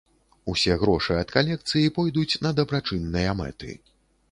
Усе грошы ад калекцыі пойдуць на дабрачынныя мэты.